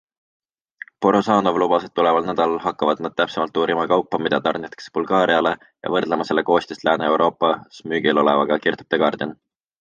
Porozhanov lubas, et tuleval nädalal hakkavad nad täpsemalt uurima kaupa, mida tarnitakse Bulgaariale ja võrdlema selle koostist Lääne-Euroopas müügil olevaga, kirjutab The Guardian.